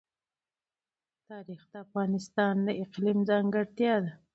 تاریخ د افغانستان د اقلیم ځانګړتیا ده.